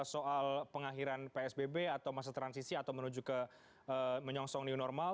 soal pengakhiran psbb atau masa transisi atau menuju ke menyongsong new normal